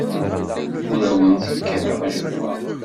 Ur awent-kkateɣ ajewwaq.